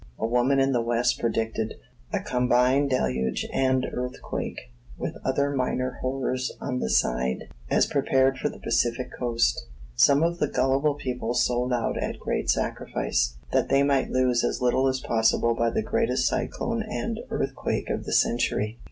A woman in the west predicted a combined deluge and earthquake, with other minor horrors on the side, as prepared for the Pacific coast. Some of the gullible people sold out at great sacrifice, that they might lose as little as possible by the greatest cyclone and earthquake of the century.